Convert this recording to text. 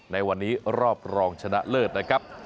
ในวันนี้รอบรองชนะเลิศนะครับ